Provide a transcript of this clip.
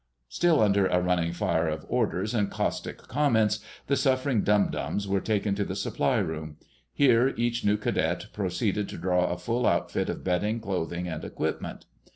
Still under a running fire of orders and caustic comments, the suffering "dum dums" were taken to the supply room. Here each new cadet proceeded to draw a full outfit of bedding, clothing, and equipment.